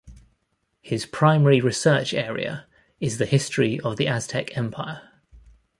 His primary research area is the history of the Aztec Empire.